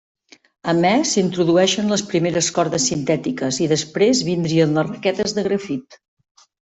A més s'introduïxen les primeres cordes sintètiques i després vindrien les raquetes de grafit.